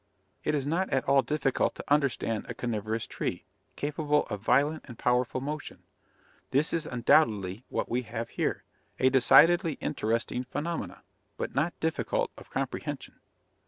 "It is not at all difficult to understand a carniverous tree, capable of violent and powerful motion. This is undoubtedly what we have here a decidedly interesting phenomena, but not difficult of comprehension."